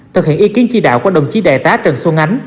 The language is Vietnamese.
thực hiện ý kiến chi đạo của đồng chí đại tá trần xuân ánh